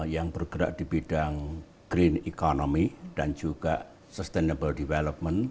yang bergerak di bidang green economy dan juga sustainable development